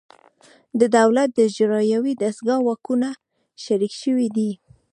د دولت د اجرایوي دستگاه واکونه شریک شوي دي